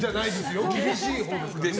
厳しいほうですよ。